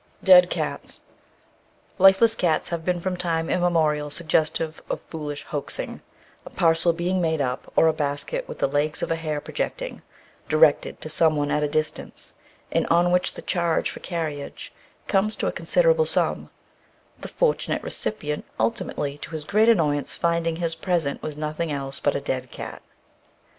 DEAD CATS. Lifeless cats have been from time immemorial suggestive of foolish hoaxing, a parcel being made up, or a basket with the legs of a hare projecting, directed to some one at a distance, and on which the charge for carriage comes to a considerable sum, the fortunate recipient ultimately, to his great annoyance, finding "his present" was nothing else but "a dead cat."